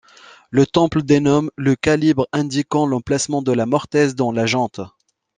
Le temple dénomme le calibre indiquant l'emplacement de la mortaise dans la jante.